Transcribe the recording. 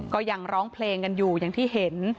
ก็ยังร้องเพลงกันอยู่อย่างที่เห็น